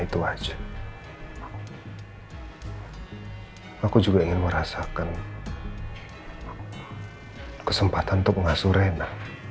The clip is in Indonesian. saya juga ingin merasakan kesempatan untuk mengasuh rena